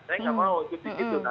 saya enggak mau